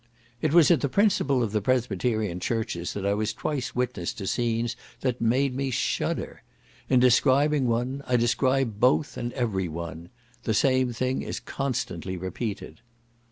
It was at the principal of the Presbyterian churches that I was twice witness to scenes that made me shudder; in describing one, I describe both and every one; the same thing is constantly repeated.